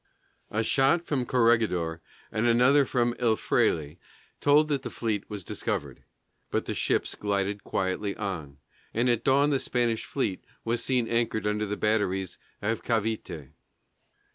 A shot from Corregidor and another from El Fraile told that the fleet was discovered, but the ships glided quietly on, and at dawn the Spanish fleet was seen anchored under the batteries of Cavité.